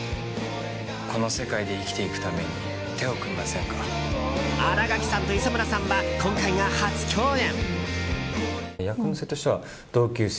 この世界で生きていくために新垣さんと磯村さんは今回が初共演。